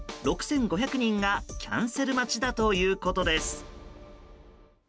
６５００人がキャンセル待ちだということです。